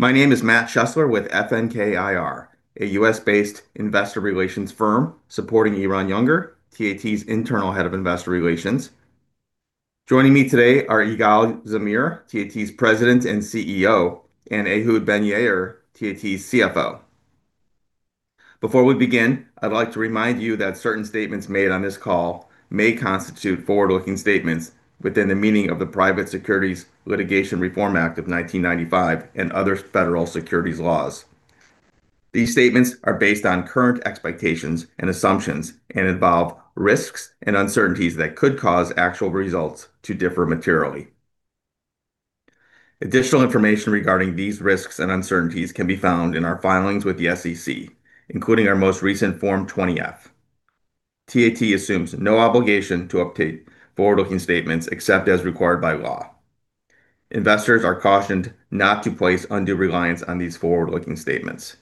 My name is Matt Chesler with FNK IR, a US-based investor relations firm supporting Eran Yunger, TAT's internal head of investor relations. Joining me today are Igal Zamir, TAT's President and CEO, and Ehud Ben-Yair, TAT's CFO. Before we begin, I'd like to remind you that certain statements made on this call may constitute forward-looking statements within the meaning of the Private Securities Litigation Reform Act of 1995 and other federal securities laws. These statements are based on current expectations and assumptions and involve risks and uncertainties that could cause actual results to differ materially. Additional information regarding these risks and uncertainties can be found in our filings with the SEC, including our most recent Form 20-F. TAT assumes no obligation to update forward-looking statements except as required by law. Investors are cautioned not to place undue reliance on these forward-looking statements.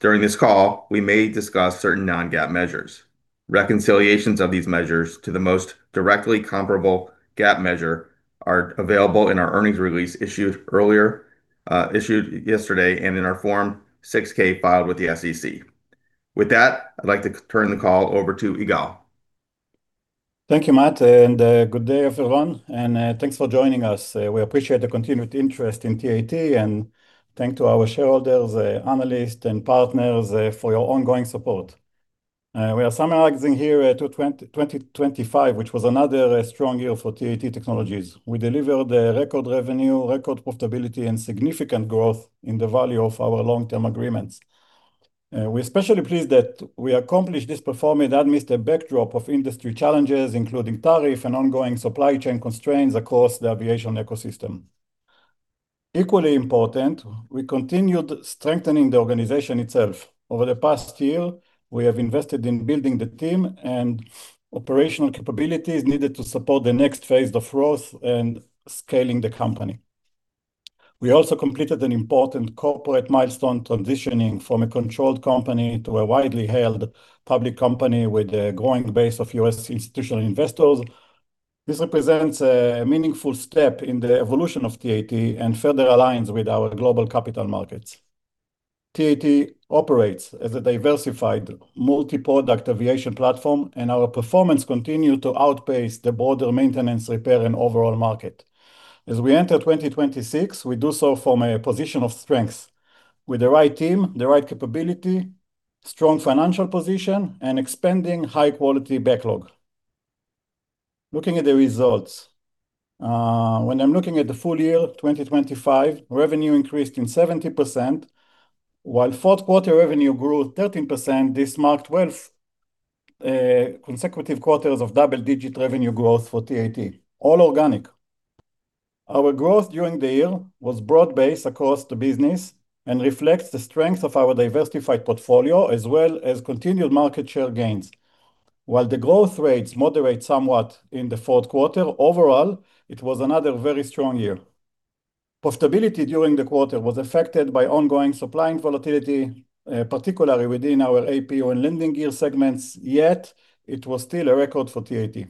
During this call, we may discuss certain non-GAAP measures. Reconciliations of these measures to the most directly comparable GAAP measure are available in our earnings release issued yesterday, and in our Form 6-K filed with the SEC. With that, I'd like to turn the call over to Igal. Thank you, Matt, and good day, everyone, and thanks for joining us. We appreciate the continued interest in TAT, and thanks to our shareholders, analysts, and partners, for your ongoing support. We are summarizing here 2025, which was another strong year for TAT Technologies. We delivered a record revenue, record profitability, and significant growth in the value of our long-term agreements. We're especially pleased that we accomplished this performance amidst the backdrop of industry challenges, including tariff and ongoing supply chain constraints across the aviation ecosystem. Equally important, we continued strengthening the organization itself. Over the past year, we have invested in building the team and operational capabilities needed to support the next phase of growth and scaling the company. We also completed an important corporate milestone, transitioning from a controlled company to a widely held public company with a growing base of U.S. institutional investors. This represents a meaningful step in the evolution of TAT and further aligns with our global capital markets. TAT operates as a diversified multi-product aviation platform, and our performance continue to outpace the broader maintenance, repair, and overall market. As we enter 2026, we do so from a position of strength with the right team, the right capability, strong financial position, and expanding high-quality backlog. Looking at the results. When I'm looking at the full year, 2025, revenue increased by 70%. While fourth quarter revenue grew 13%, this marked 12 consecutive quarters of double-digit revenue growth for TAT, all organic. Our growth during the year was broad-based across the business and reflects the strength of our diversified portfolio as well as continued market share gains. While the growth rates moderate somewhat in the fourth quarter, overall, it was another very strong year. Profitability during the quarter was affected by ongoing supply volatility, particularly within our APU and landing gear segments, yet it was still a record for TAT.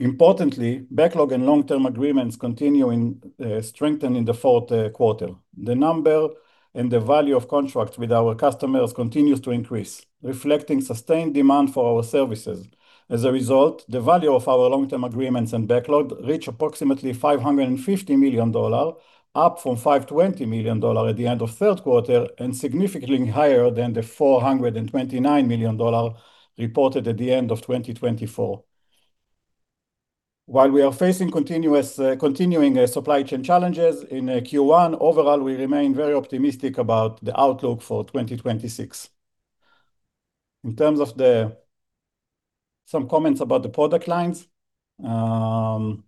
Importantly, backlog and long-term agreements continue in strengthening the fourth quarter. The number and the value of contracts with our customers continues to increase, reflecting sustained demand for our services. As a result, the value of our long-term agreements and backlog reached approximately $550 million, up from $520 million at the end of third quarter and significantly higher than the $429 million reported at the end of 2024. While we are facing continuing supply chain challenges in Q1, overall, we remain very optimistic about the outlook for 2026. Some comments about the product lines. In our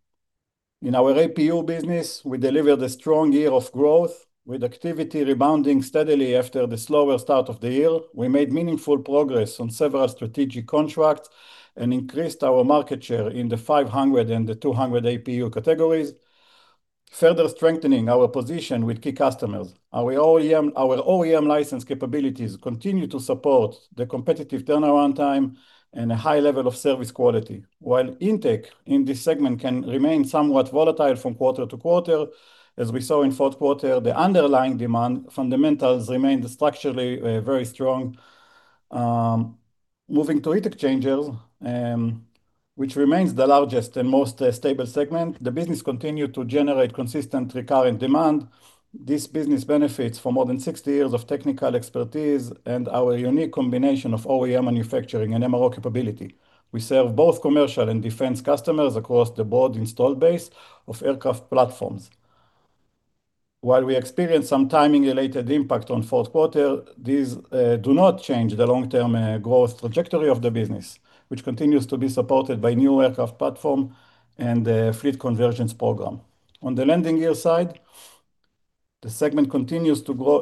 APU business, we delivered a strong year of growth with activity rebounding steadily after the slower start of the year. We made meaningful progress on several strategic contracts and increased our market share in the 500 and the 200 APU categories, further strengthening our position with key customers. Our OEM license capabilities continue to support the competitive turnaround time and a high level of service quality. While intake in this segment can remain somewhat volatile from quarter to quarter, as we saw in fourth quarter, the underlying demand fundamentals remained structurally very strong. Moving to Heat Exchangers, which remains the largest and most stable segment, the business continued to generate consistent recurring demand. This business benefits from more than 60 years of technical expertise and our unique combination of OEM manufacturing and MRO capability. We serve both commercial and defense customers across the broad installed base of aircraft platforms. While we experience some timing-related impact on fourth quarter, these do not change the long-term growth trajectory of the business, which continues to be supported by new aircraft platform and the fleet conversions program. On the landing gear side, the segment continues to grow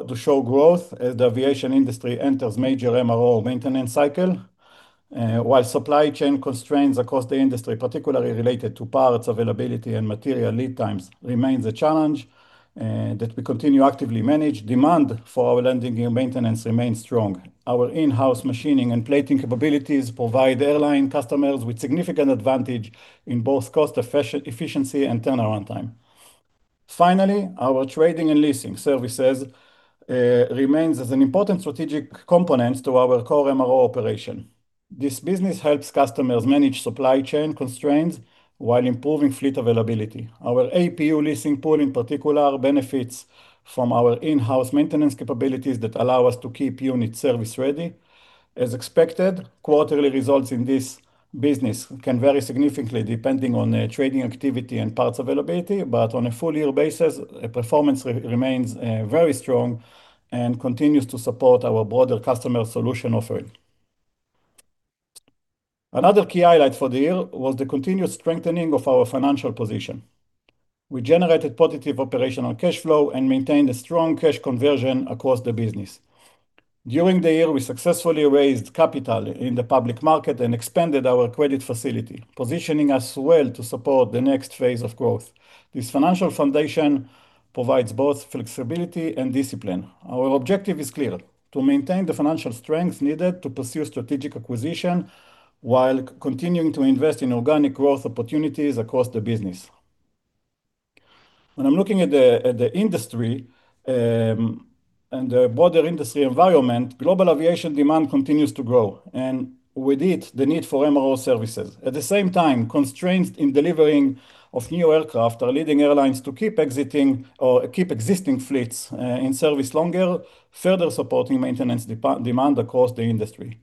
as the aviation industry enters major MRO maintenance cycle. While supply chain constraints across the industry, particularly related to parts availability and material lead times, remains a challenge that we continue to actively manage, demand for our landing gear maintenance remains strong. Our in-house machining and plating capabilities provide airline customers with significant advantage in both cost efficiency and turnaround time. Finally, our trading and leasing services remains as an important strategic component to our core MRO operation. This business helps customers manage supply chain constraints while improving fleet availability. Our APU leasing pool, in particular, benefits from our in-house maintenance capabilities that allow us to keep units service ready. As expected, quarterly results in this business can vary significantly depending on the trading activity and parts availability. On a full year basis, performance remains very strong and continues to support our broader customer solution offering. Another key highlight for the year was the continued strengthening of our financial position. We generated positive operational cash flow and maintained a strong cash conversion across the business. During the year, we successfully raised capital in the public market and expanded our credit facility, positioning us well to support the next phase of growth. This financial foundation provides both flexibility and discipline. Our objective is clear. To maintain the financial strength needed to pursue strategic acquisition while continuing to invest in organic growth opportunities across the business. When I'm looking at the industry and the broader industry environment, global aviation demand continues to grow, and with it, the need for MRO services. At the same time, constraints in delivering of new aircraft are leading airlines to keep existing fleets in service longer, further supporting maintenance demand across the industry.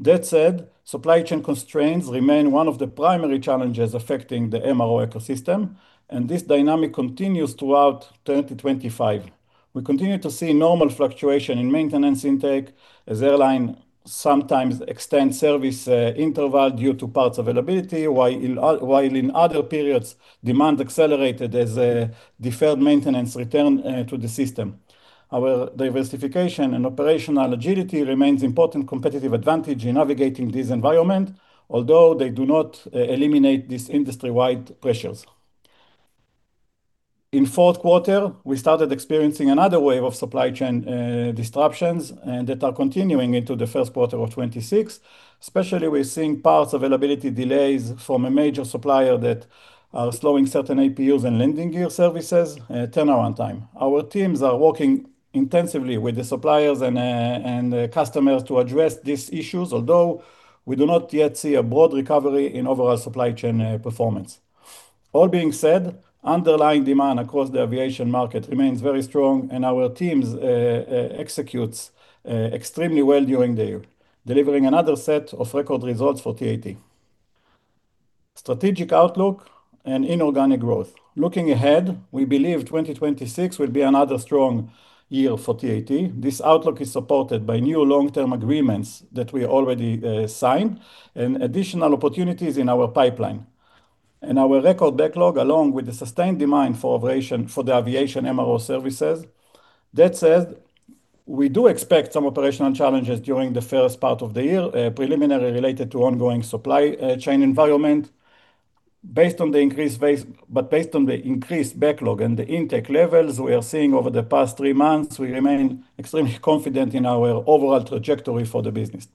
That said, supply chain constraints remain one of the primary challenges affecting the MRO ecosystem, and this dynamic continues throughout 2025. We continue to see normal fluctuation in maintenance intake as airline sometimes extend service interval due to parts availability, while in other periods, demand accelerated as deferred maintenance return to the system. Our diversification and operational agility remains important competitive advantage in navigating this environment, although they do not eliminate these industry-wide pressures. In fourth quarter, we started experiencing another wave of supply chain disruptions and that are continuing into the first quarter of 2026. Especially, we're seeing parts availability delays from a major supplier that are slowing certain APUs and landing gear services turnaround time. Our teams are working intensively with the suppliers and the customers to address these issues, although we do not yet see a broad recovery in overall supply chain performance. All being said, underlying demand across the aviation market remains very strong and our teams executes extremely well during the year, delivering another set of record results for TAT. Strategic outlook and inorganic growth. Looking ahead, we believe 2026 will be another strong year for TAT. This outlook is supported by new long-term agreements that we already signed and additional opportunities in our pipeline. Our record backlog, along with the sustained demand for the aviation MRO services. That said, we do expect some operational challenges during the first part of the year, primarily related to ongoing supply chain environment. Based on the increased backlog and the intake levels we are seeing over the past three months, we remain extremely confident in our overall trajectory for the business.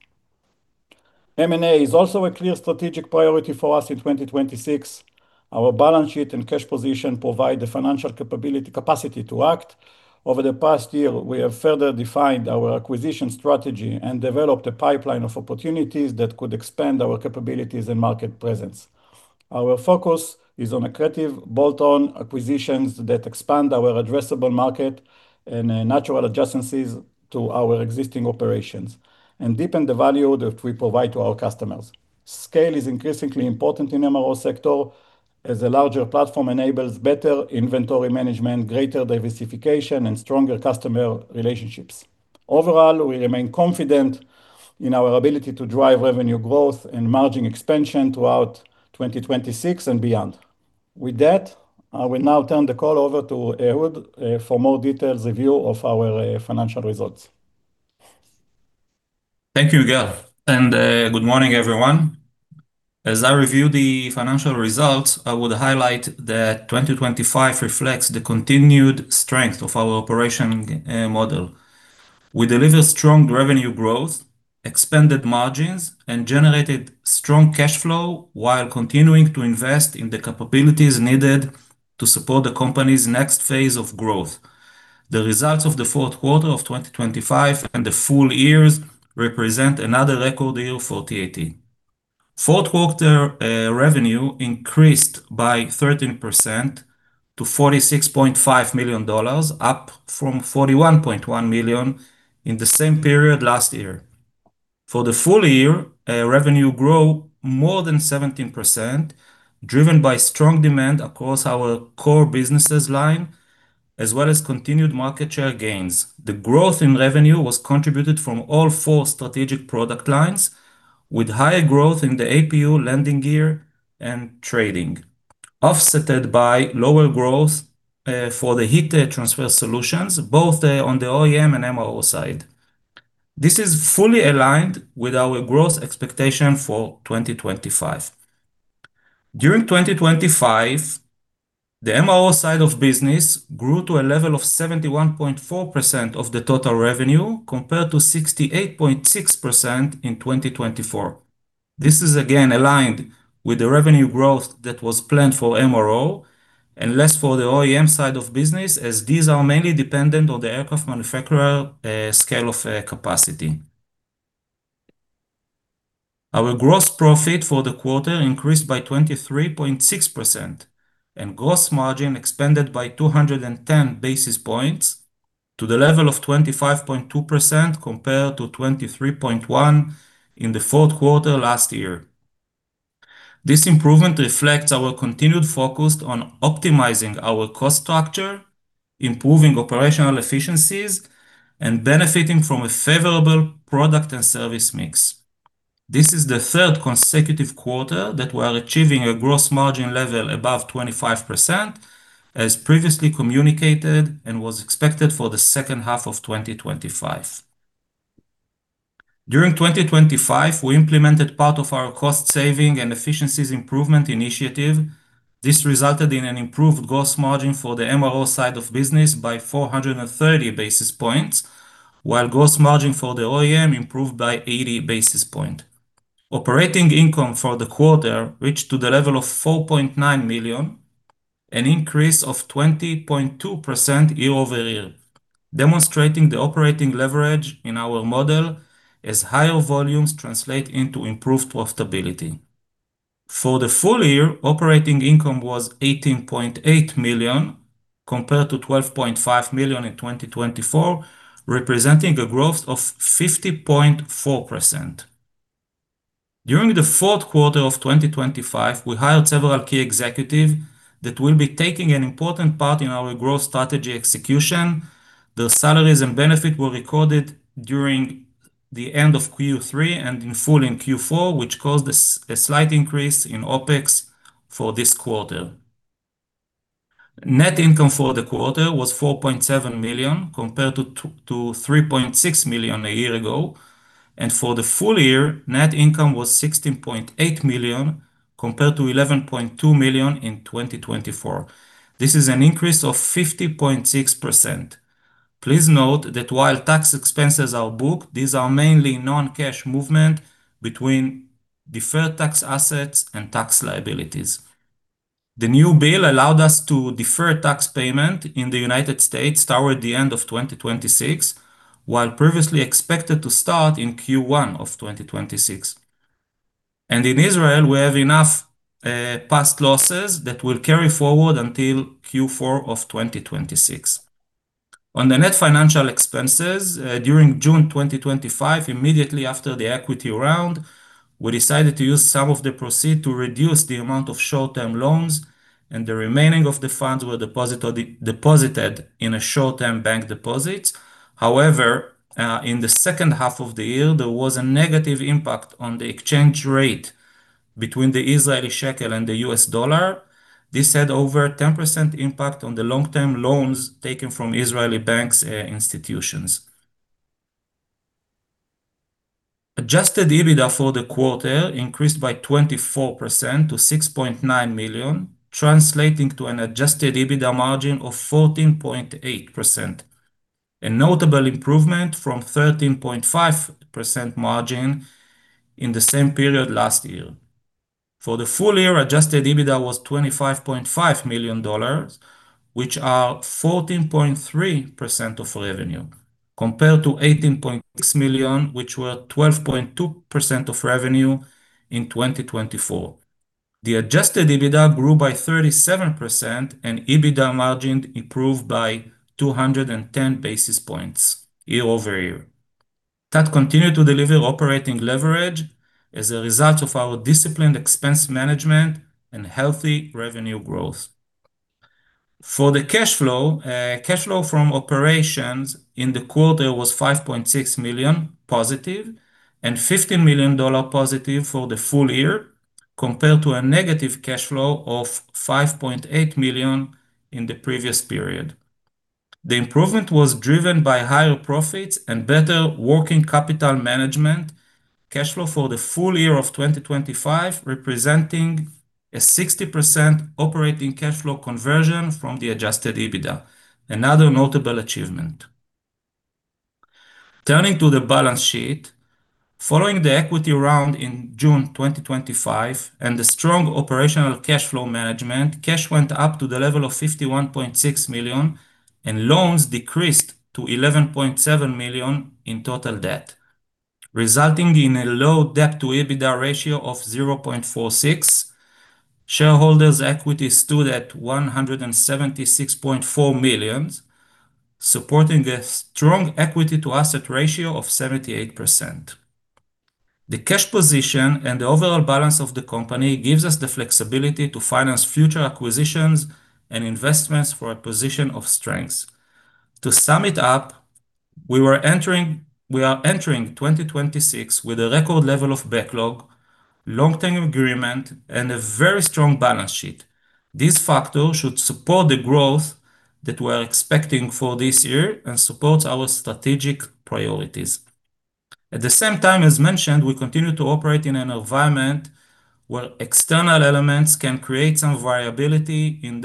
M&A is also a clear strategic priority for us in 2026. Our balance sheet and cash position provide the financial capacity to act. Over the past year, we have further defined our acquisition strategy and developed a pipeline of opportunities that could expand our capabilities and market presence. Our focus is on accretive bolt-on acquisitions that expand our addressable market and natural adjacencies to our existing operations and deepen the value that we provide to our customers. Scale is increasingly important in MRO sector as a larger platform enables better inventory management, greater diversification, and stronger customer relationships. Overall, we remain confident in our ability to drive revenue growth and margin expansion throughout 2026 and beyond. With that, I will now turn the call over to Ehud for more detailed review of our financial results. Thank you, Igal, and good morning, everyone. As I review the financial results, I would highlight that 2025 reflects the continued strength of our operational model. We delivered strong revenue growth, expanded margins, and generated strong cash flow while continuing to invest in the capabilities needed to support the company's next phase of growth. The results of the fourth quarter of 2025 and the full year represent another record year for TAT. Fourth quarter revenue increased by 13% to $46.5 million, up from $41.1 million in the same period last year. For the full year, revenue grew more than 17%, driven by strong demand across our core business lines, as well as continued market share gains. The growth in revenue was contributed from all four strategic product lines, with higher growth in the APU, landing gear, and trading, offset by lower growth for the heat transfer solutions, both on the OEM and MRO side. This is fully aligned with our growth expectation for 2025. During 2025, the MRO side of business grew to a level of 71.4% of the total revenue, compared to 68.6% in 2024. This is again aligned with the revenue growth that was planned for MRO and less for the OEM side of business as these are mainly dependent on the aircraft manufacturer scale of capacity. Our gross profit for the quarter increased by 23.6% and gross margin expanded by 210 basis points to the level of 25.2% compared to 23.1% in the fourth quarter last year. This improvement reflects our continued focus on optimizing our cost structure, improving operational efficiencies, and benefiting from a favorable product and service mix. This is the third consecutive quarter that we are achieving a gross margin level above 25% as previously communicated and was expected for the second half of 2025. During 2025, we implemented part of our cost saving and efficiencies improvement initiative. This resulted in an improved gross margin for the MRO side of business by 430 basis points, while gross margin for the OEM improved by 80 basis points. Operating income for the quarter reached the level of $4.9 million, an increase of 20.2% year-over-year, demonstrating the operating leverage in our model as higher volumes translate into improved profitability. For the full year, operating income was $18.8 million compared to $12.5 million in 2024, representing a growth of 50.4%. During the fourth quarter of 2025, we hired several key executives that will be taking an important part in our growth strategy execution. The salaries and benefits were recorded during the end of Q3 and in full in Q4, which caused a slight increase in OpEx for this quarter. Net income for the quarter was $4.7 million compared to $3.6 million a year ago, and for the full year, net income was $16.8 million compared to $11.2 million in 2024. This is an increase of 50.6%. Please note that while tax expenses are booked, these are mainly non-cash movement between deferred tax assets and tax liabilities. The new bill allowed us to defer tax payment in the United States toward the end of 2026, while previously expected to start in Q1 of 2026. In Israel, we have enough past losses that will carry forward until Q4 of 2026. On the net financial expenses, during June 2025, immediately after the equity round, we decided to use some of the proceeds to reduce the amount of short-term loans, and the remaining funds were deposited in short-term bank deposits. However, in the second half of the year, there was a negative impact on the exchange rate between the Israeli shekel and the US dollar. This had over 10% impact on the long-term loans taken from Israeli banks, institutions. Adjusted EBITDA for the quarter increased by 24% to $6.9 million, translating to an adjusted EBITDA margin of 14.8%, a notable improvement from 13.5% margin in the same period last year. For the full year, adjusted EBITDA was $25.5 million, which are 14.3% of revenue, compared to $18.6 million, which were 12.2% of revenue in 2024. The adjusted EBITDA grew by 37% and EBITDA margin improved by 210 basis points year-over-year. That continued to deliver operating leverage as a result of our disciplined expense management and healthy revenue growth. For the cash flow, cash flow from operations in the quarter was $5.6 million positive and $15 million positive for the full year, compared to a negative cash flow of $5.8 million in the previous period. The improvement was driven by higher profits and better working capital management. Cash flow for the full year of 2025 representing a 60% operating cash flow conversion from the adjusted EBITDA, another notable achievement. Turning to the balance sheet, following the equity round in June 2025 and the strong operational cash flow management, cash went up to the level of $51.6 million and loans decreased to $11.7 million in total debt, resulting in a low debt to EBITDA ratio of 0.46. Shareholders' equity stood at $176.4 million, supporting a strong equity to asset ratio of 78%. The cash position and the overall balance of the company gives us the flexibility to finance future acquisitions and investments for a position of strength. To sum it up, we are entering 2026 with a record level of backlog, long-term agreement, and a very strong balance sheet. This factor should support the growth that we are expecting for this year and supports our strategic priorities. At the same time, as mentioned, we continue to operate in an environment where external elements can create some variability in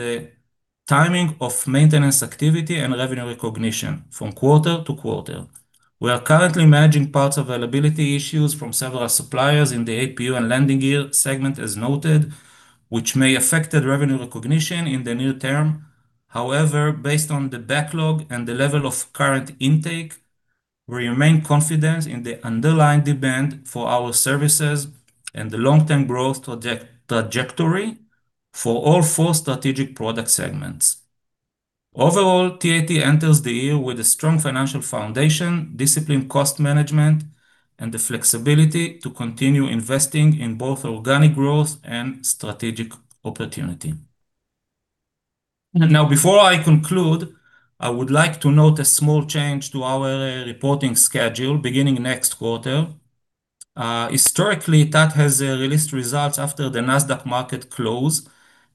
the timing of maintenance activity and revenue recognition from quarter to quarter. We are currently managing parts availability issues from several suppliers in the APU and landing gear segment as noted, which may affect the revenue recognition in the near term. However, based on the backlog and the level of current intake, we remain confident in the underlying demand for our services and the long-term growth trajectory for all four strategic product segments. Overall, TAT enters the year with a strong financial foundation, disciplined cost management, and the flexibility to continue investing in both organic growth and strategic opportunity. Now, before I conclude, I would like to note a small change to our reporting schedule beginning next quarter. Historically, TAT has released results after the Nasdaq market close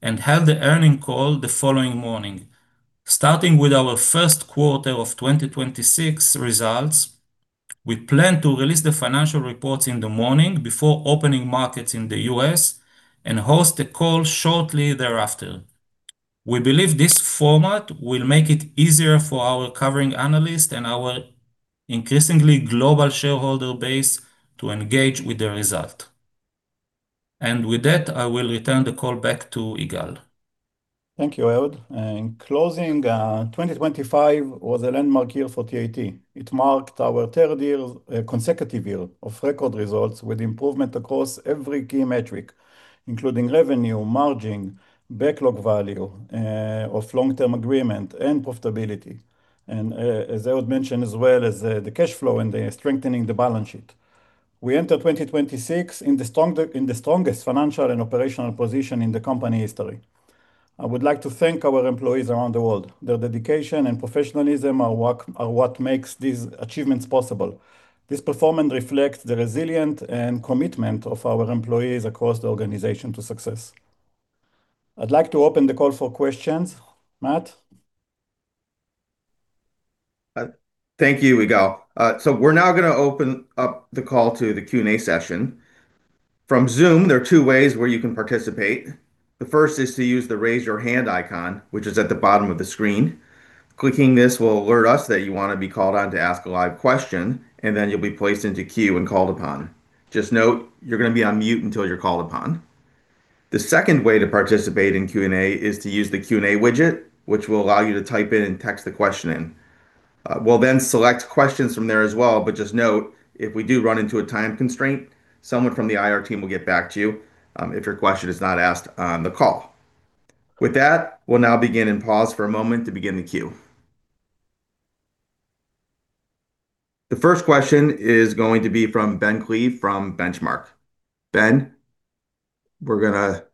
and held the earnings call the following morning. Starting with our first quarter of 2026 results, we plan to release the financial reports in the morning before opening markets in the U.S. and host the call shortly thereafter. We believe this format will make it easier for our covering analyst and our increasingly global shareholder base to engage with the results. With that, I will return the call back to Igal. Thank you, Ehud. In closing, 2025 was a landmark year for TAT. It marked our third consecutive year of record results with improvement across every key metric, including revenue, margin, backlog value of long-term agreement and profitability. As Ehud mentioned as well as the cash flow and strengthening the balance sheet. We enter 2026 in the strongest financial and operational position in the company history. I would like to thank our employees around the world. Their dedication and professionalism are what makes these achievements possible. This performance reflects the resilience and commitment of our employees across the organization to success. I'd like to open the call for questions. Matt? Thank you, Igal. We're now gonna open up the call to the Q&A session. From Zoom, there are two ways where you can participate. The first is to use the Raise Your Hand icon, which is at the bottom of the screen. Clicking this will alert us that you want to be called on to ask a live question, and then you'll be placed into queue and called upon. Just note, you're gonna be on mute until you're called upon. The second way to participate in Q&A is to use the Q&A widget, which will allow you to type in and text the question in. We'll then select questions from there as well, but just note, if we do run into a time constraint, someone from the IR team will get back to you, if your question is not asked on the call. With that, we'll now begin and pause for a moment to begin the queue. The first question is going to be from Ben Klieve from Benchmark. Ben, we're gonna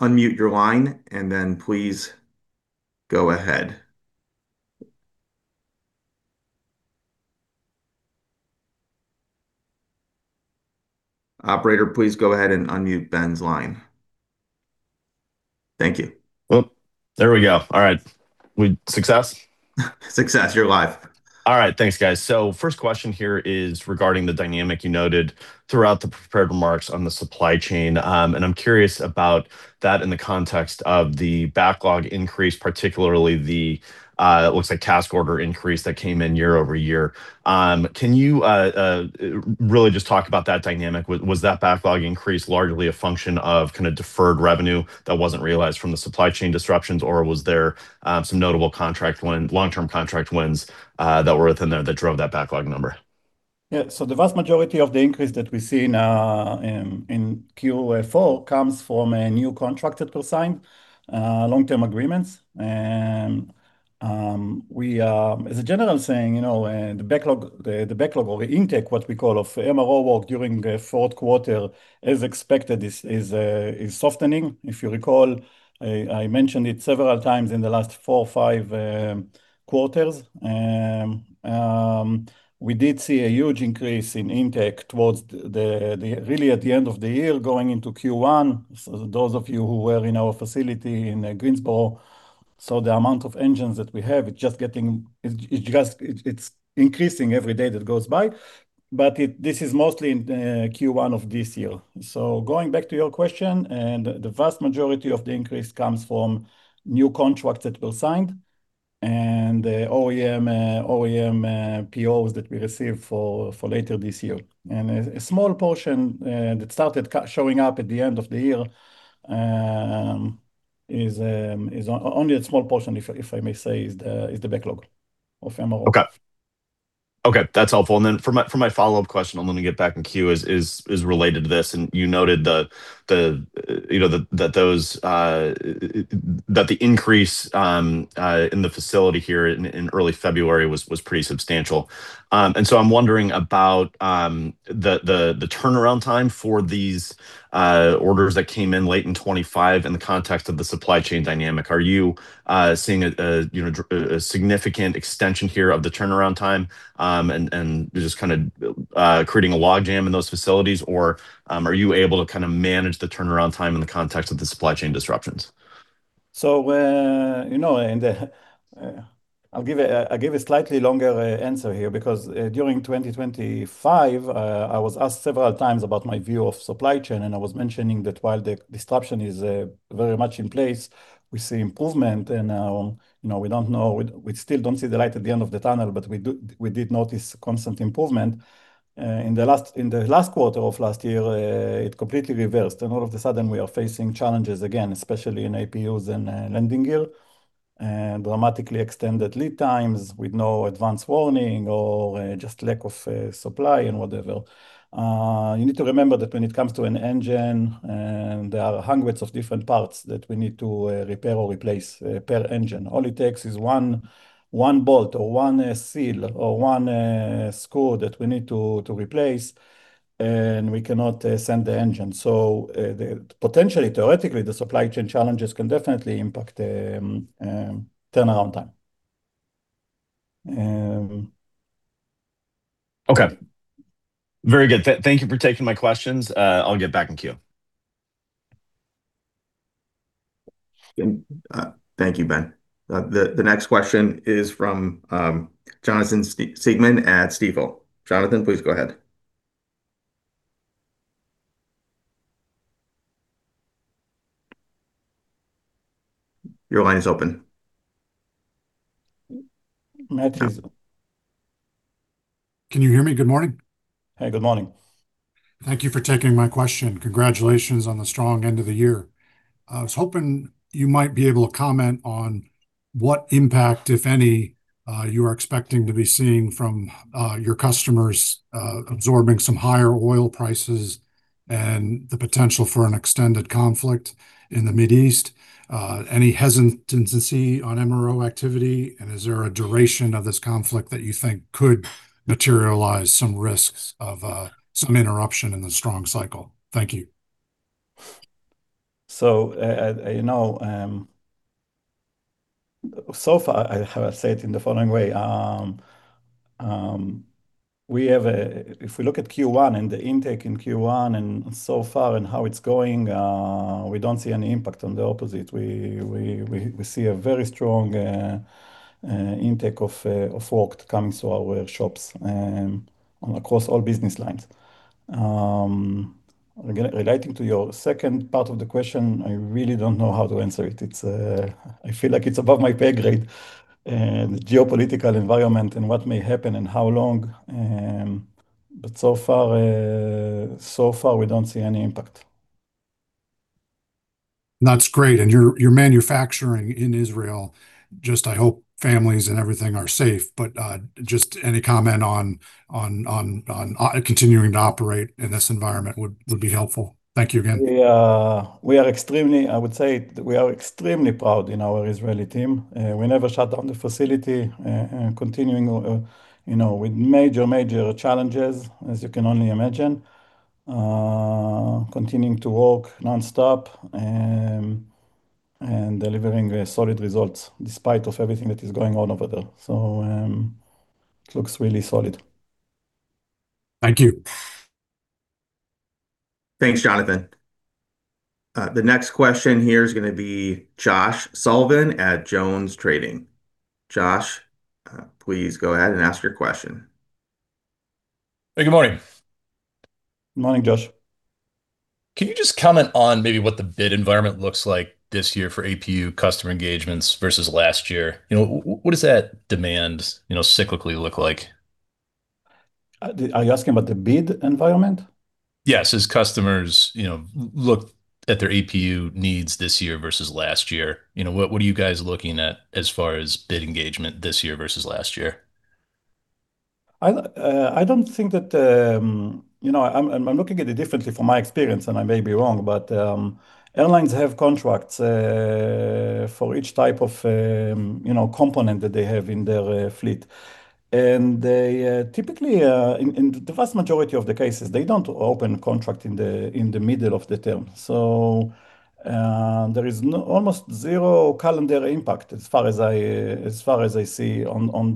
unmute your line, and then please go ahead. Operator, please go ahead and unmute Ben's line. Thank you. Well, there we go. All right. Success? Success. You're live. All right. Thanks, guys. First question here is regarding the dynamic you noted throughout the prepared remarks on the supply chain. I'm curious about that in the context of the backlog increase, particularly, it looks like task order increase that came in year over year. Can you really just talk about that dynamic? Was that backlog increase largely a function of kinda deferred revenue that wasn't realized from the supply chain disruptions, or was there some notable contract win, long-term contract wins that were within there that drove that backlog number? Yeah. The vast majority of the increase that we see now in Q4 comes from a new contract that was signed, long-term agreements. As I was saying, you know, the backlog or the intake, what we call of MRO work during the fourth quarter, as expected is softening. If you recall, I mentioned it several times in the last four or five quarters. We did see a huge increase in intake towards the end, really at the end of the year going into Q1. Those of you who were in our facility in Greensboro, the amount of engines that we have, it's just getting. It just, it's increasing every day that goes by. This is mostly in Q1 of this year. Going back to your question, the vast majority of the increase comes from new contracts that were signed and the OEM POs that we received for later this year. A small portion that started showing up at the end of the year is only a small portion, if I may say, of the backlog of MRO. Okay. Okay, that's helpful. Then for my follow-up question, I'm gonna get back in queue, is related to this. You noted the you know that those that the increase in the facility here in early February was pretty substantial. I'm wondering about the the turnaround time for these orders that came in late in 2025 in the context of the supply chain dynamic. Are you seeing a you know a significant extension here of the turnaround time and just kinda creating a log jam in those facilities? Or are you able to kinda manage the turnaround time in the context of the supply chain disruptions? You know, I'll give a slightly longer answer here because during 2025, I was asked several times about my view of supply chain, and I was mentioning that while the disruption is very much in place, we see improvement. You know, we don't know. We still don't see the light at the end of the tunnel, but we did notice constant improvement. In the last quarter of last year, it completely reversed, and all of a sudden we are facing challenges again, especially in APUs and landing gear, and dramatically extended lead times with no advance warning or just lack of supply and whatever. You need to remember that when it comes to an engine, and there are hundreds of different parts that we need to repair or replace per engine. All it takes is one bolt or one seal or one screw that we need to replace, and we cannot send the engine. Potentially, theoretically, the supply chain challenges can definitely impact the turnaround time. Okay. Very good. Thank you for taking my questions. I'll get back in queue. Thank you, Ben. The next question is from Jonathan Siegmann at Stifel. Jonathan, please go ahead. Your line is open. Matthew. Can you hear me? Good morning. Hey, good morning. Thank you for taking my question. Congratulations on the strong end of the year. I was hoping you might be able to comment on what impact, if any, you are expecting to be seeing from your customers absorbing some higher oil prices and the potential for an extended conflict in the Mideast. Any hesitancy on MRO activity? Is there a duration of this conflict that you think could materialize some risks of some interruption in the strong cycle? Thank you. you know, so far, I will say it in the following way. If we look at Q1 and the intake in Q1 and so far and how it's going, we don't see any impact. On the opposite, we see a very strong intake of work coming to our workshops across all business lines. Again, relating to your second part of the question, I really don't know how to answer it. It's above my pay grade, the geopolitical environment and what may happen and how long, but so far, we don't see any impact. That's great. You're manufacturing in Israel. I hope families and everything are safe. Just any comment on continuing to operate in this environment would be helpful. Thank you again. I would say we are extremely proud in our Israeli team. We never shut down the facility, continuing you know with major challenges, as you can only imagine, continuing to work nonstop, and delivering solid results despite of everything that is going on over there. It looks really solid. Thank you. Thanks, Jonathan. The next question here is gonna be Josh Sullivan at Jones Trading. Josh, please go ahead and ask your question. Hey, good morning. Morning, Josh. Can you just comment on maybe what the bid environment looks like this year for APU customer engagements versus last year? You know, what does that demand, you know, cyclically look like? Are you asking about the bid environment? Yes. As customers, you know, look at their APU needs this year versus last year, you know, what are you guys looking at as far as bid engagement this year versus last year? I don't think that, you know, I'm looking at it differently from my experience, and I may be wrong, but airlines have contracts for each type of, you know, component that they have in their fleet. They typically, in the vast majority of the cases, don't open contract in the middle of the term. Almost zero calendar impact as far as I see on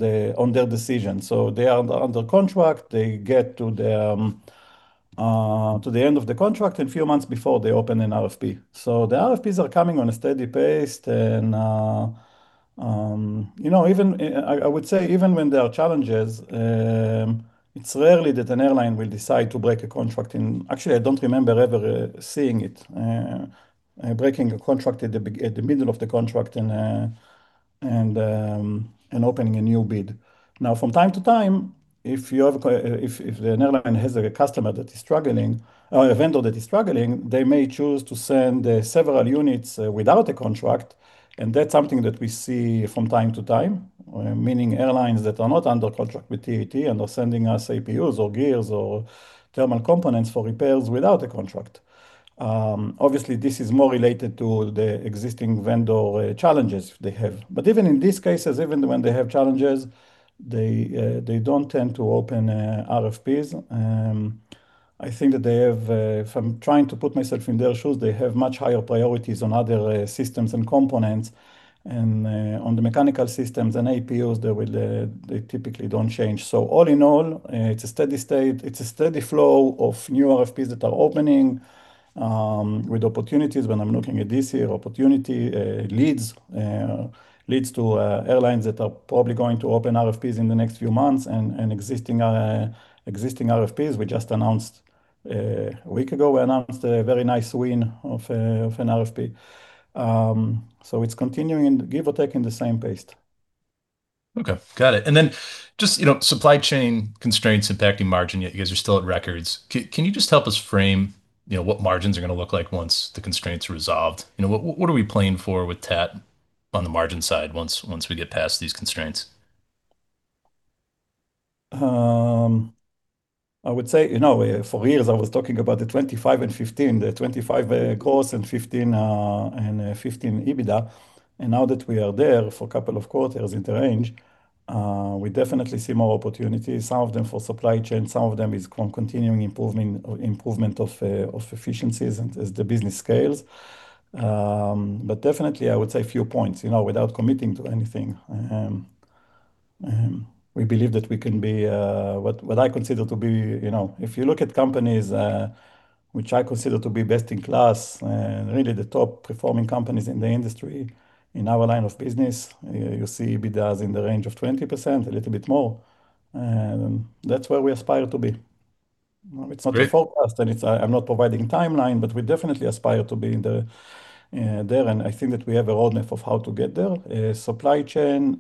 their decision. They are under contract. They get to the end of the contract, and a few months before, they open an RFP. The RFPs are coming on a steady pace and I would say even when there are challenges, it's rarely that an airline will decide to break a contract. Actually, I don't remember ever seeing it breaking a contract at the middle of the contract and opening a new bid. Now, from time to time, if the airline has a customer that is struggling or a vendor that is struggling, they may choose to send several units without a contract, and that's something that we see from time to time, meaning airlines that are not under contract with TAT and are sending us APUs or gears or thermal components for repairs without a contract. Obviously, this is more related to the existing vendor challenges they have. But even in these cases, even when they have challenges, they don't tend to open RFPs. I think that they have, from trying to put myself in their shoes, they have much higher priorities on other systems and components and on the mechanical systems and APUs, they typically don't change. So all in all, it's a steady state. It's a steady flow of new RFPs that are opening with opportunities. When I'm looking at this here, opportunity leads to airlines that are probably going to open RFPs in the next few months and existing RFPs. We just announced a week ago a very nice win of an RFP. It's continuing give or take at the same pace. Okay. Got it. Just, you know, supply chain constraints impacting margin, yet you guys are still at records. Can you just help us frame, you know, what margins are gonna look like once the constraints are resolved? You know, what are we playing for with TAT on the margin side once we get past these constraints? I would say, you know, for years, I was talking about the 25% and 15%, the 25% cost and 15% EBITDA. Now that we are there for a couple of quarters in the range, we definitely see more opportunities, some of them for supply chain, some of them is continuing improvement of efficiencies as the business scales. But definitely I would say a few points, you know, without committing to anything. We believe that we can be what I consider to be, you know, if you look at companies which I consider to be best in class and really the top performing companies in the industry, in our line of business, you see EBITDAs in the range of 20%, a little bit more. That's where we aspire to be. Great. It's not a forecast, and it's. I'm not providing timeline, but we definitely aspire to be in the there. I think that we have a roadmap of how to get there. Supply chain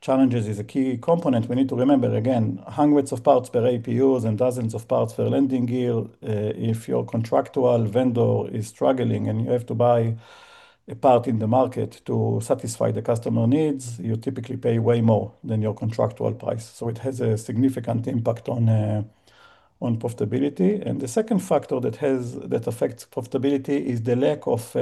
challenges is a key component. We need to remember, again, hundreds of parts per APUs and dozens of parts per landing gear. If your contractual vendor is struggling and you have to buy a part in the market to satisfy the customer needs, you typically pay way more than your contractual price. It has a significant impact on profitability. The second factor that affects profitability is the lack of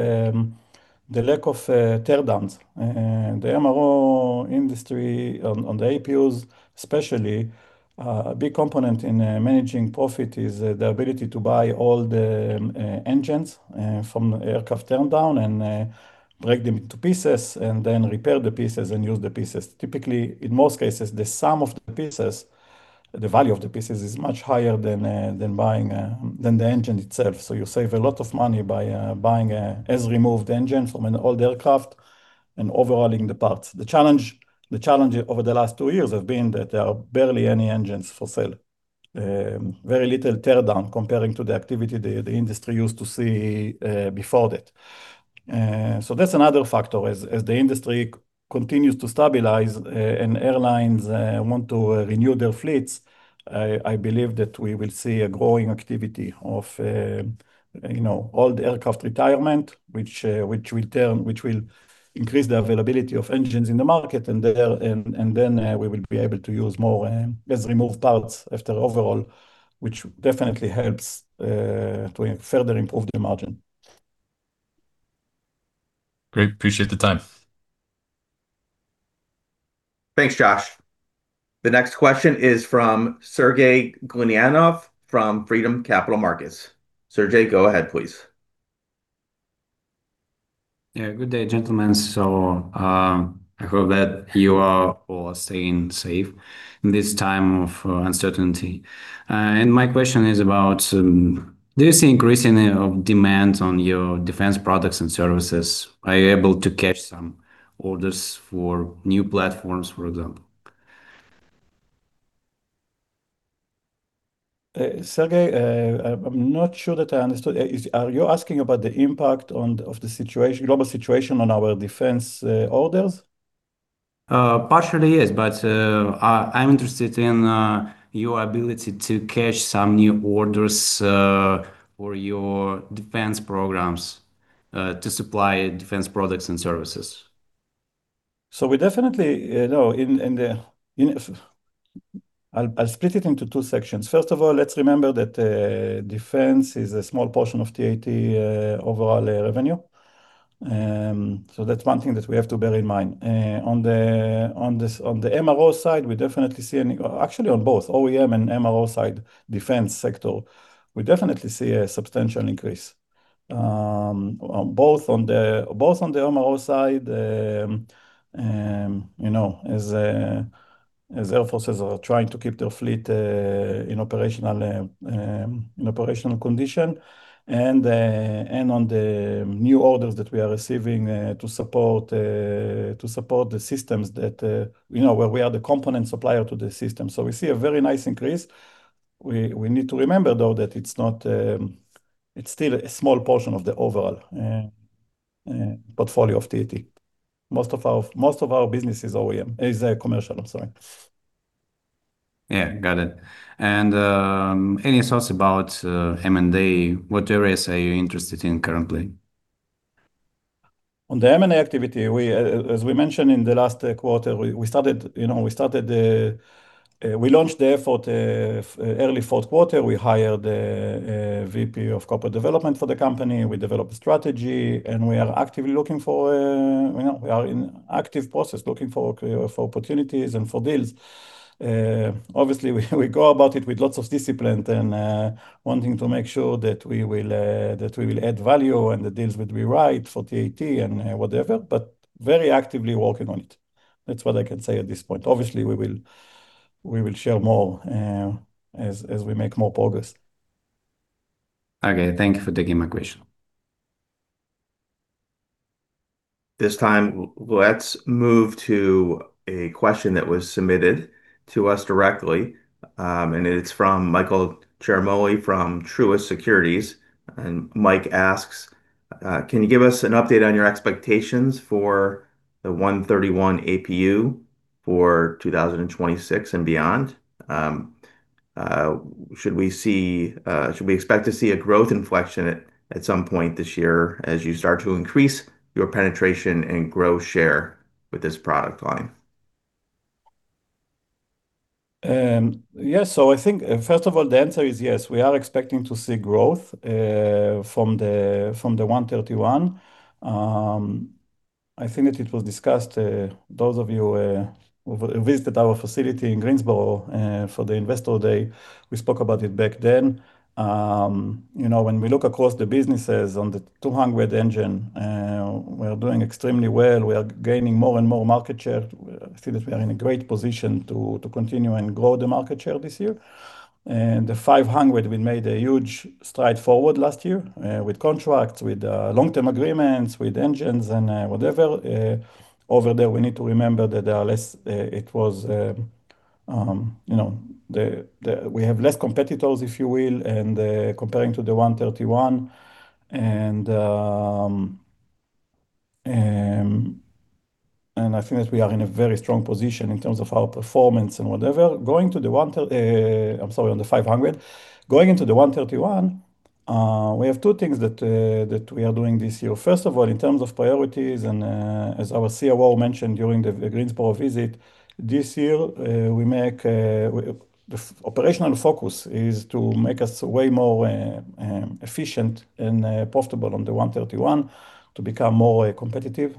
teardowns. The MRO industry on the APUs especially, a big component in managing profit is the ability to buy all the engines from the aircraft teardown and break them into pieces and then repair the pieces and use the pieces. Typically, in most cases, the sum of the pieces, the value of the pieces is much higher than buying the engine itself. You save a lot of money by buying a as removed engine from an old aircraft and overhauling the parts. The challenge over the last two years have been that there are barely any engines for sale. Very little teardown compared to the activity the industry used to see before that. That's another factor. As the industry continues to stabilize, and airlines want to renew their fleets, I believe that we will see a growing activity of, you know, old aircraft retirement, which will increase the availability of engines in the market. And then, we will be able to use more, as removed parts after overhaul, which definitely helps to further improve the margin. Great. Appreciate the time. Thanks, Josh. The next question is from Sergey Glinyanov from Freedom Capital Markets. Sergey, go ahead, please. Yeah, good day, gentlemen. I hope that you are all staying safe in this time of uncertainty. My question is about, do you see increasing of demand on your defense products and services? Are you able to catch some orders for new platforms, for example? Sergey, I'm not sure that I understood. Are you asking about the impact of the situation, global situation on our defense orders? Partially, yes. I'm interested in your ability to catch some new orders for your defense programs to supply defense products and services. We definitely, you know, I'll split it into two sections. First of all, let's remember that defense is a small portion of TAT overall revenue. That's one thing that we have to bear in mind. Actually, on both OEM and MRO side, defense sector, we definitely see a substantial increase on both the MRO side, you know, as air forces are trying to keep their fleet in operational condition and on the new orders that we are receiving to support the systems that, you know, where we are the component supplier to the system. We see a very nice increase. We need to remember, though, that it's not, it's still a small portion of the overall portfolio of TAT. Most of our business is OEM, commercial. I'm sorry. Yeah. Got it. Any thoughts about M&A? What areas are you interested in currently? On the M&A activity, as we mentioned in the last quarter, we started, you know, we launched the effort early fourth quarter. We hired a VP of Corporate Development for the company. We developed a strategy, and we are actively looking for, you know, we are in active process looking for opportunities and deals. Obviously we go about it with lots of discipline and wanting to make sure that we will add value on the deals that we write for TAT and whatever, but very actively working on it. That's what I can say at this point. Obviously, we will share more as we make more progress. Okay. Thank you for taking my question. This time, let's move to a question that was submitted to us directly, and it's from Michael Ciarmoli from Truist Securities, and Mike asks, "Can you give us an update on your expectations for the 131-series APU for 2026 and beyond? Should we expect to see a growth inflection at some point this year as you start to increase your penetration and grow share with this product line? Yeah. I think, first of all, the answer is yes. We are expecting to see growth from the 131-series APU. I think that it was discussed, those of you who visited our facility in Greensboro for the Investor Day, we spoke about it back then. You know, when we look across the businesses on the 200 engine, we're doing extremely well. We are gaining more and more market share. I think that we are in a great position to continue and grow the market share this year. In the APS 500, we made a huge stride forward last year with contracts, with long-term agreements, with engines and whatever. Over there, we need to remember that there are less. It was, you know, we have less competitors, if you will, and comparing to the 131-series APU. I think that we are in a very strong position in terms of our performance and whatever. I'm sorry, on the APS 500. Going into the 131-series APU, we have two things that we are doing this year. First of all, in terms of priorities, as our COO mentioned during the Greensboro visit, this year we make the operational focus is to make us way more efficient and profitable on the 131-series APU to become more competitive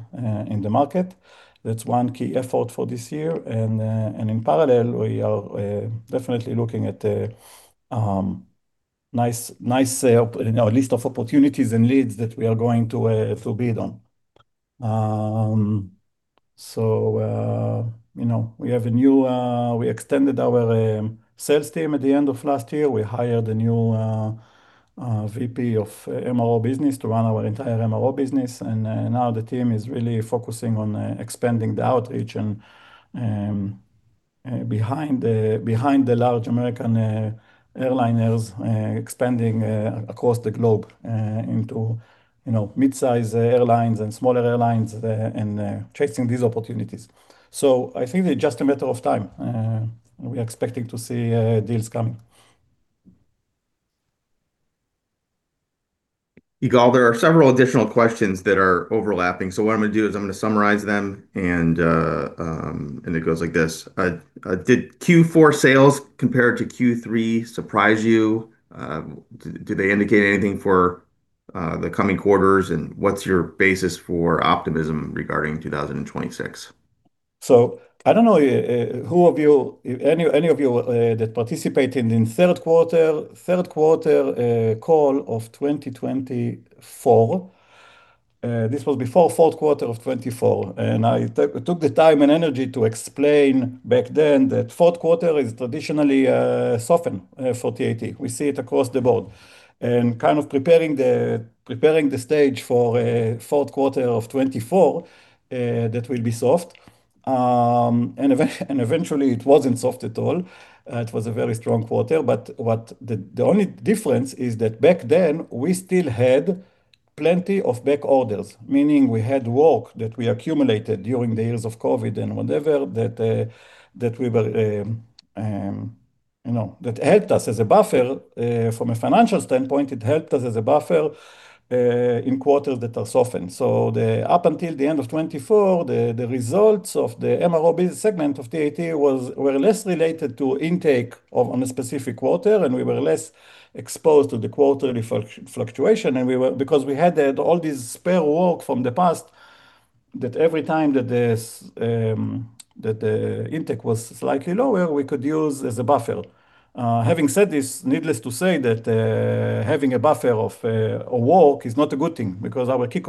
in the market. That's one key effort for this year. In parallel, we are definitely looking at nice, you know, list of opportunities and leads that we are going to bid on. You know, we extended our sales team at the end of last year. We hired a new VP of MRO Business to run our entire MRO business. Now the team is really focusing on expanding the outreach and beyond the large American airliners, expanding across the globe into, you know, mid-size airlines and smaller airlines and chasing these opportunities. I think it's just a matter of time. We are expecting to see deals coming. Igal, there are several additional questions that are overlapping. What I'm gonna do is I'm gonna summarize them and it goes like this. Did Q4 sales compared to Q3 surprise you? Did they indicate anything for the coming quarters? What's your basis for optimism regarding 2026? I don't know who of you, if any of you, participated in third quarter call of 2024. This was before fourth quarter of 2024, and I took the time and energy to explain back then that fourth quarter is traditionally soft for TAT. We see it across the board. I was kind of preparing the stage for fourth quarter of 2024 that will be soft. Eventually, it wasn't soft at all. It was a very strong quarter. The only difference is that back then, we still had plenty of back orders, meaning we had work that we accumulated during the years of COVID and whatever that we were, you know, that helped us as a buffer. From a financial standpoint, it helped us as a buffer in quarters that are softened. Up until the end of 2024, the results of the MRO business segment of TAT were less related to intake on a specific quarter, and we were less exposed to the quarterly fluctuation, because we had all this spare work from the past that every time that this, that the intake was slightly lower, we could use as a buffer. Having said this, needless to say that, having a buffer of work is not a good thing because our key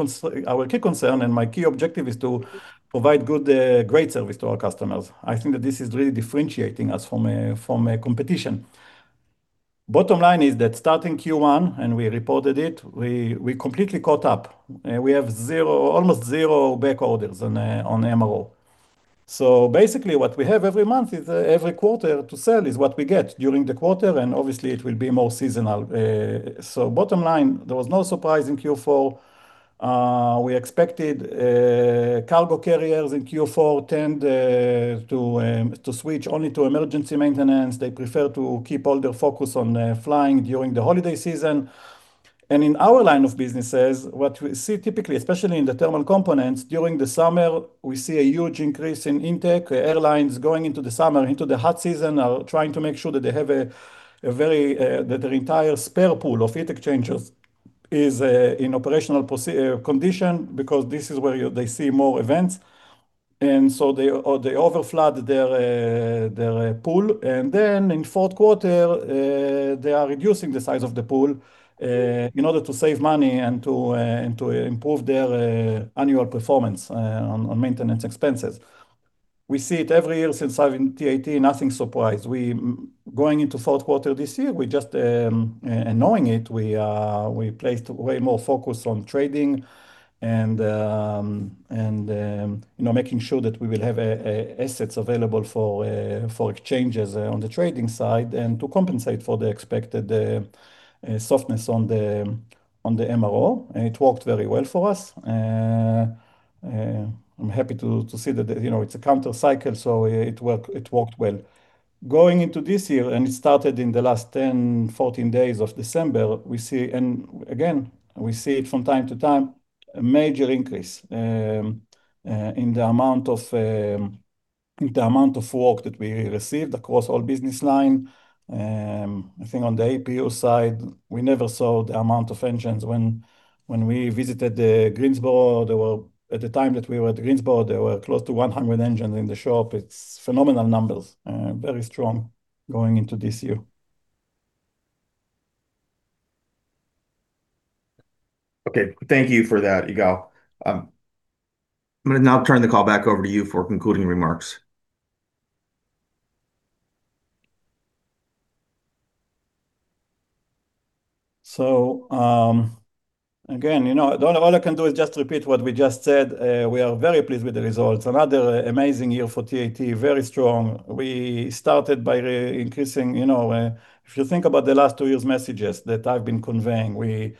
concern and my key objective is to provide good, great service to our customers. I think that this is really differentiating us from a competition. Bottom line is that starting Q1, and we reported it, we completely caught up. We have almost zero back orders on MRO. Basically, what we have every month is every quarter to sell is what we get during the quarter, and obviously it will be more seasonal. Bottom line, there was no surprise in Q4. We expected cargo carriers in Q4 tend to switch only to emergency maintenance. They prefer to keep all their focus on flying during the holiday season. In our line of businesses, what we see typically, especially in the thermal components, during the summer, we see a huge increase in intake. Airlines going into the summer, into the hot season, are trying to make sure that they have a very that their entire spare pool of Heat Exchangers is in operational condition because this is where they see more events, and so they overflood their pool. Then in fourth quarter, they are reducing the size of the pool in order to save money and to improve their annual performance on maintenance expenses. We see it every year since having TAT, nothing surprising. We're going into fourth quarter this year. We just knew it. We placed way more focus on trading and, you know, making sure that we will have assets available for exchanges on the trading side and to compensate for the expected softness on the MRO. It worked very well for us. I'm happy to see that, you know, it's a counter cycle, so it worked well. Going into this year, it started in the last 10-14 days of December. We see it from time to time a major increase in the amount of work that we received across all business lines. Again, we see a major increase in the amount of work that we received across all business lines. I think on the APU side, we never saw the amount of engines when we visited the Greensboro. At the time that we were at Greensboro, there were close to 100 engines in the shop. It's phenomenal numbers, very strong going into this year. Okay. Thank you for that, Igal. I'm gonna now turn the call back over to you for concluding remarks. Again, you know, all I can do is just repeat what we just said. We are very pleased with the results. Another amazing year for TAT. Very strong. We started by increasing, you know. If you think about the last two years messages that I've been conveying, we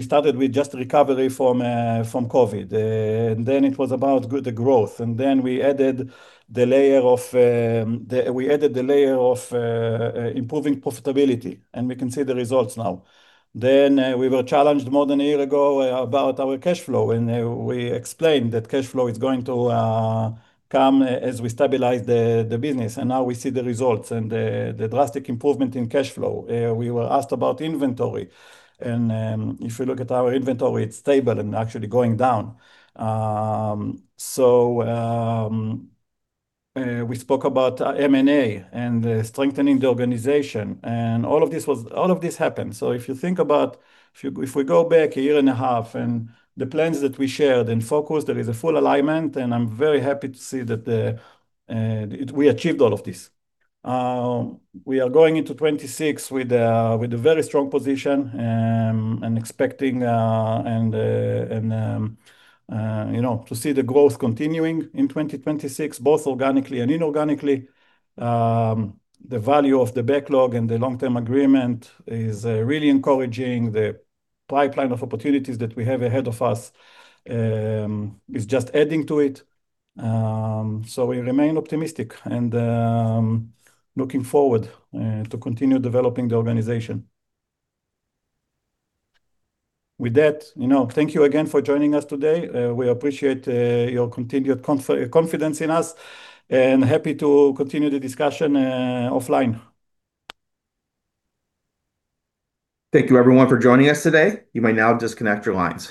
started with just recovery from COVID. It was about good growth, and then we added the layer of improving profitability, and we can see the results now. We were challenged more than a year ago about our cash flow, and we explained that cash flow is going to come as we stabilize the business, and now we see the results and the drastic improvement in cash flow. We were asked about inventory and, if you look at our inventory, it's stable and actually going down. We spoke about M&A and strengthening the organization. All of this happened. If we go back a year and a half and the plans that we shared and focused, there is a full alignment, and I'm very happy to see that we achieved all of this. We are going into 2026 with a very strong position, and expecting you know, to see the growth continuing in 2026, both organically and inorganically. The value of the backlog and the long-term agreement is really encouraging. The pipeline of opportunities that we have ahead of us is just adding to it. We remain optimistic and looking forward to continue developing the organization. With that, you know, thank you again for joining us today. We appreciate your continued confidence in us, and happy to continue the discussion offline. Thank you everyone for joining us today. You may now disconnect your lines.